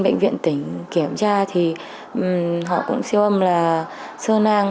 bệnh viện tỉnh kiểm tra thì họ cũng siêu âm là sơ nang